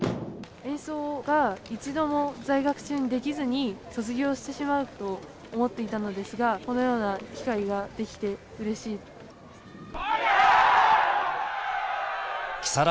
演奏が１度も在学中にできずに卒業してしまうと思っていたのですが、このような機会ができてうれしいです。